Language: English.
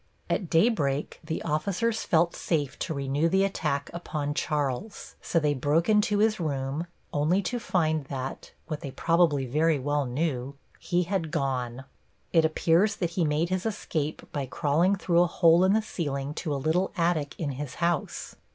At daybreak the officers felt safe to renew the attack upon Charles, so they broke into his room, only to find that what they probably very well knew he had gone. It appears that he made his escape by crawling through a hole in the ceiling to a little attic in his house.